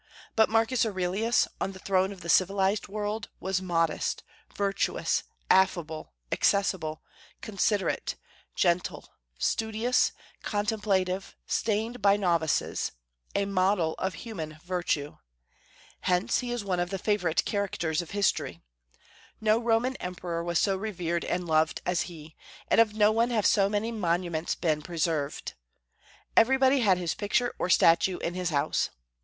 But Marcus Aurelius, on the throne of the civilized world, was modest, virtuous, affable, accessible, considerate, gentle, studious, contemplative, stained by novices, a model of human virtue. Hence he is one of the favorite characters of history. No Roman emperor was so revered and loved as he, and of no one have so many monuments been preserved. Everybody had his picture or statue in his house.